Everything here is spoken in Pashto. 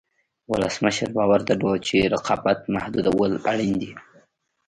ولسمشر باور درلود چې رقابت محدودول اړین دي.